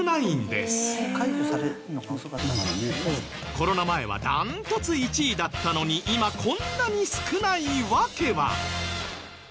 コロナ前は断トツ１位だったのに今こんなに少ない訳は。